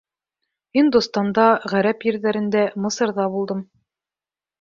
Һиндостанда, ғәрәп ерҙәрендә, Мысырҙа булдым.